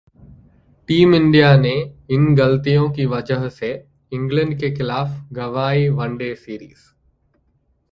team India ने इन गलतियों की वजह से इंग्लैंड के खिलाफ गंवाई वनडे सीरीज